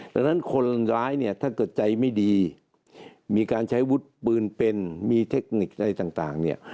ดังนั้นคนร้ายเนี่ยถ้าเกิดใจไม่ดีมีการใช้วุฒิปืนเป็นมีเทคนิคอะไรต่างเนี่ย